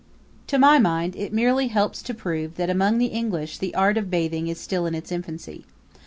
To my mind, it merely helps to prove that among the English the art of bathing is still in its infancy.